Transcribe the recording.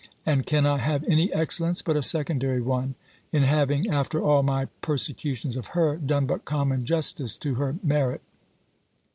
And can I have any excellence, but a secondary one, in having, after all my persecutions of her, done but common justice to her merit?